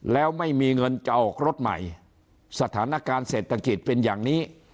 แล้วไม่มีเงินจะออกรถใหม่สถานการณ์เศรษฐกิจเป็นอย่างนี้